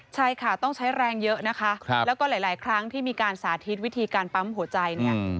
ใช่ค่ะต้องใช้แรงเยอะนะคะแล้วก็หลายครั้งที่มีการสาธิตวิธีการปั๊มหัวใจเนี่ย